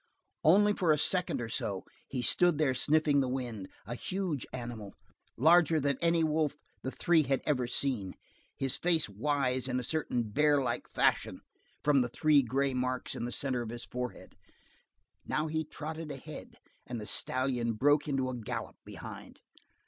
Only for a second or so he stood there sniffing the wind, a huge animal, larger than any wolf the three had ever seen; his face wise in a certain bear like fashion from the three gray marks in the center of his forehead. Now he trotted ahead, and the stallion broke into a gallop behind.